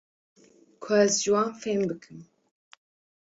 ku ez ji wan fehm bikim